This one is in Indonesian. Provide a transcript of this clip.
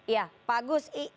ya pak agus